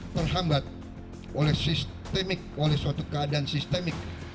terhambat oleh sistemik oleh suatu keadaan sistemik